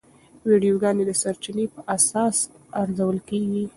ویډیوګانې د سرچینې په اساس ارزول کېږي.